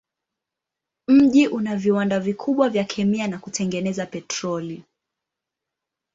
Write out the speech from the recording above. Mji una viwanda vikubwa vya kemia na kutengeneza petroli.